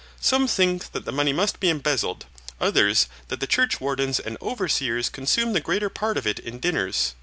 Some think that the money must be embezzled, others that the church wardens and overseers consume the greater part of it in dinners.